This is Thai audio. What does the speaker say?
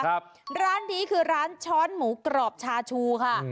ร้านนี้คือร้านช้อนหมูกรอบชาชูค่ะ